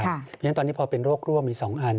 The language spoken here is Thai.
เพราะฉะนั้นตอนนี้พอเป็นโรครั่วมี๒อัน